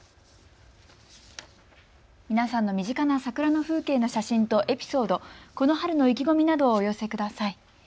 皆さんの身近な桜の風景の写真とエピソード、この春の意気込みなどをお寄せください。